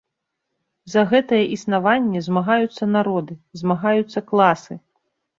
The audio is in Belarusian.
За гэтае існаванне змагаюцца народы, змагаюцца класы.